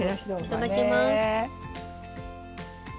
いただきます。